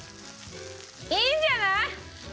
いいんじゃない？